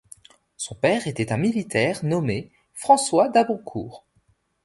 Son père était un militaire nommé François d’Happoncourt.